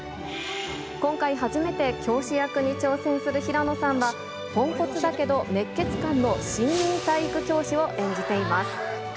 今回、初めて教師役に挑戦する平野さんは、ポンコツだけど熱血漢の新任体育教師を演じています。